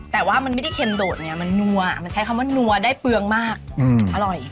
แต่ว่ามันไม่ได้เค็มโดดไงมันนัวมันใช้คำว่านัวได้เปลืองมากอร่อย